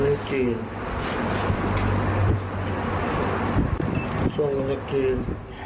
อันนี้จีนส่งมาจากจีน